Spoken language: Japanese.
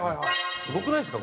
すごくないですか？